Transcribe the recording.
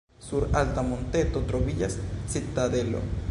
Sur alta monteto troviĝas citadelo.